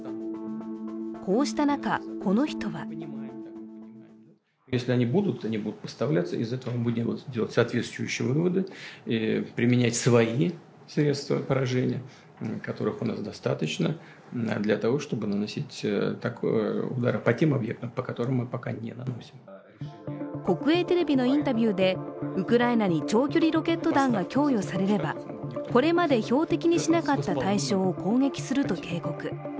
こうした中、この人は国営テレビのインタビューでウクライナに長距離ロケット弾が供与されればこれまで標的にしなかった対象を攻撃すると警告。